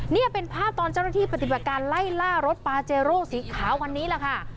นี่เป็นภาพตอนเจ้าหน้าที่ปฏิบัติการไล่ล่ารถปาเจโร่สีขาวคันนี้แหละค่ะ